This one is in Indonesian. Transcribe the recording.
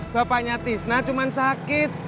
bapaknya tisna cuman sakit